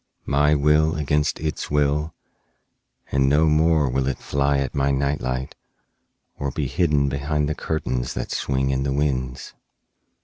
My will against its will, and no more will it fly at my night light or be hidden behind the curtains that swing in the winds.